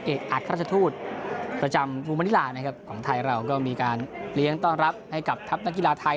เอกอักราชทูตประจำภูมินิลานะครับของไทยเราก็มีการเลี้ยงต้อนรับให้กับทัพนักกีฬาไทย